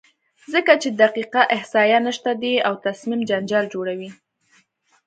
ځکه چې دقیقه احصایه نشته دی او تصمیم جنجال جوړوي،